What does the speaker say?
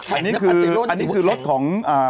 อันนี้คือรถอันนี้คือรถของอ่า